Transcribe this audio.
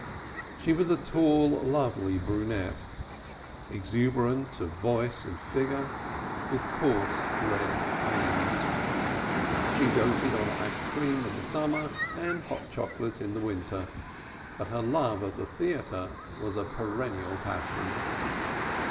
She was a tall lovely brunette, exuberant of voice and figure, with coarse red hands. She doted on ice cream in the summer, and hot chocolate in the winter, but her love of the theatre was a perennial passion.